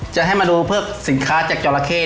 จะให้มาดูสินค้าจากจอรเข